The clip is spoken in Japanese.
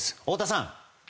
太田さん。